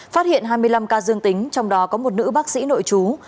phát hiện hai mươi năm ca dương tính trong đó có một nữ bác sĩ nội chú